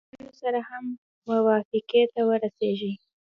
له طالبانو سره هم موافقې ته ورسیږي.